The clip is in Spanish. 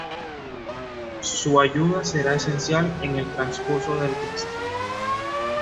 Su ayuda será esencial en el transcurso del tercer libro.